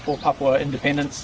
untuk kemerdekaan papua